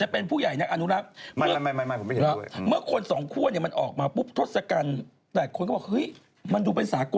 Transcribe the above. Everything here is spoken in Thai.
ผมมีฟังเด็กรุ่นใหม่ฮือมาก